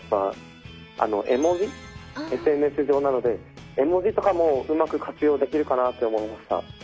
ＳＮＳ上なので絵文字とかもうまく活用できるかなって思いました。